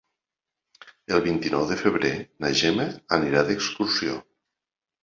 El vint-i-nou de febrer na Gemma anirà d'excursió.